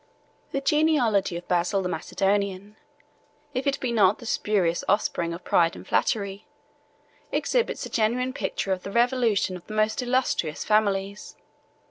] The genealogy of Basil the Macedonian (if it be not the spurious offspring of pride and flattery) exhibits a genuine picture of the revolution of the most illustrious families.